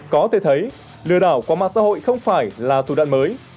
có thể thấy lừa đảo qua mạng xã hội không phải là thủ đoạn mới